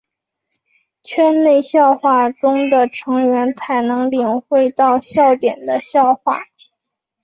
圈内笑话中的成员才能领会到笑点的笑话。